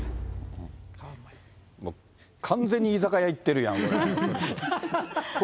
完全に居酒屋行ってるやん、これ。